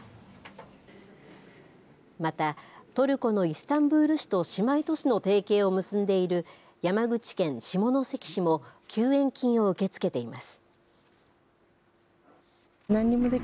また、トルコのイスタンブール市と姉妹都市の提携を結んでいる山口県下関市も、救援金を受け付けています。